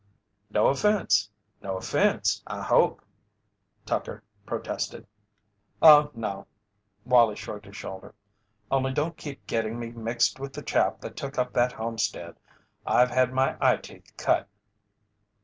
"No offence no offence, I hope?" Tucker protested. "Oh, no." Wallie shrugged his shoulder. "Only don't keep getting me mixed with the chap that took up that homestead. I've had my eyeteeth cut."